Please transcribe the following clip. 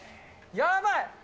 やばい！